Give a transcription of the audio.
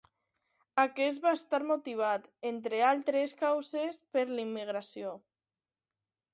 Aquest va estar motivat, entre altres causes, per la immigració.